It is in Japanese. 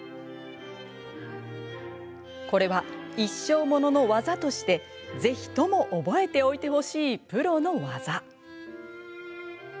これは一生ものの技としてぜひとも覚えておいてほしいプロの技。